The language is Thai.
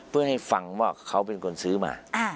เพื่อให้ฟังว่าเขาเป็นคนซื้อมา